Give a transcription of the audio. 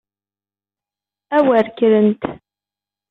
A wer kkrent!